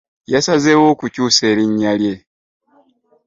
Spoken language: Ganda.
Yasazewo okukyusa erinnya lye.